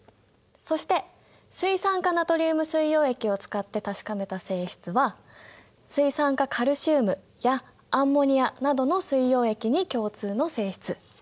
そして水酸化ナトリウム水溶液を使って確かめた性質は水酸化カルシウムやアンモニアなどの水溶液に共通の性質。